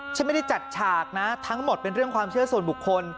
ฉันไม่ได้จัดฉากนะทั้งหมดเป็นเรื่องความเชื่อส่วนบุคคล